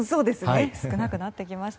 少なくなってきました。